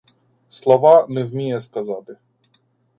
Слова не вміє сказати.